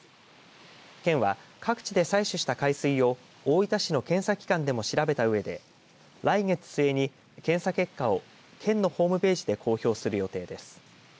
県は、各地で採取した海水を大分市の検査機関でも調べたうえで来月末に検査結果を県のホームページで公表する予定です。